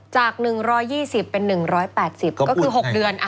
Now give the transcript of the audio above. จาก๑๒๐เป็น๑๘๐ก็คือ๖เดือน